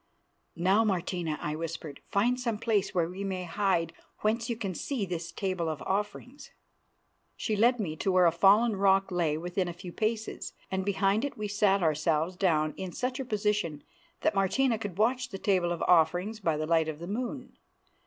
"Now, Martina," I whispered, "find some place where we may hide whence you can see this Table of Offerings." She led me to where a fallen rock lay within a few paces, and behind it we sat ourselves down in such a position that Martina could watch the Table of Offerings by the light of the moon.